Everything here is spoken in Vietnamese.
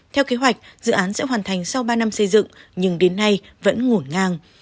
theo kế hoạch dự án sẽ hoàn thành sau ba năm xây dựng nhưng đến nay vẫn ngổn ngang